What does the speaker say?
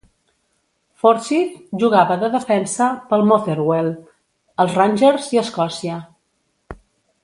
Forsyth jugava de defensa pel Motherwell, els Rangers i Escòcia.